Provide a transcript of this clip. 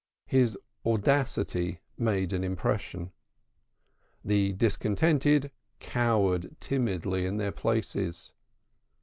His audacity made an impression. The discontented cowered timidly in their places.